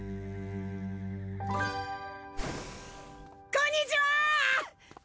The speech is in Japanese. こんにちは！